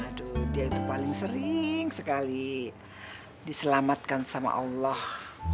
aduh dia itu paling sering sekali diselamatkan sama allah